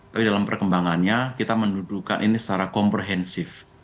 tapi dalam perkembangannya kita mendudukan ini secara komprehensif